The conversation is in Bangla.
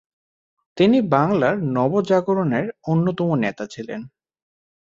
তিনি বাংলার নবজাগরণের অন্যতম নেতা ছিলেন।